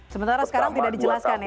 sementara sekarang tidak dijelaskan ya